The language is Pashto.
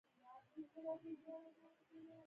د موټر تېزه رڼا يې پر سترګو ولګېده.